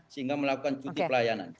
sehingga melakukan cuti pelayanan